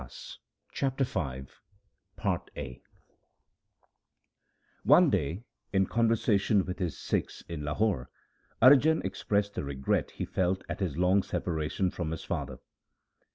2 Chapter V One day, in conversation with his Sikhs in Lahore, Arjan expressed the regret he felt at his long separa tion from his father.